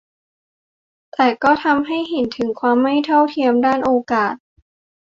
แต่ก็ทำให้เห็นถึงความไม่เท่าเทียมด้านโอกาส